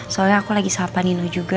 soalnya aku lagi sahab pak nino juga